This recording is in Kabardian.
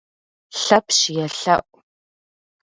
Лъэпщ елъэӀу.